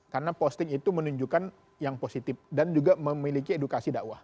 karena posting itu menunjukkan yang positif dan juga memiliki edukasi dakwah